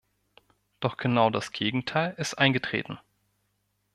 Doch genau das Gegenteil ist eingetreten.